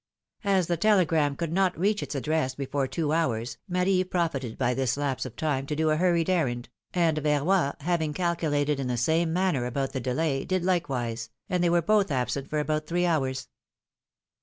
As the telegram could not reach its address before two hours, Marie profited by this lapse of time to do a hurried errand, and Verroy, having calculated in the same manner about the delay, did likewise, and they both were absent for about three hours.